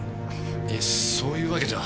いえそういうわけでは。